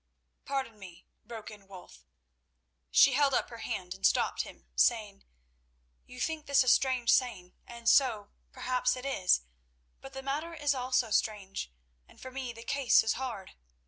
"Pardon me—" broke in Wulf. She held up her hand and stopped him, saying: "You think this a strange saying, and so, perhaps, it is; but the matter is also strange, and for me the case is hard.